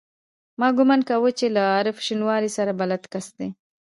ما ګومان کاوه چې له عارف شینواري سره بلد کس دی.